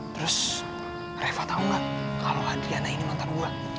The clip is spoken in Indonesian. terus reva tau gak kalo adriana ini mantan gue